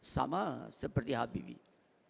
sama seperti habibie